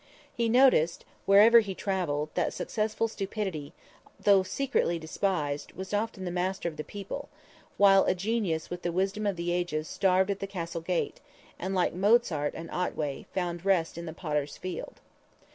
"_ He noticed wherever he traveled that successful stupidity, although secretly despised, was often the master of the people, while a genius with the wisdom of the ages, starved at the castle gate, and like Mozart and Otway, found rest in the Potter's field.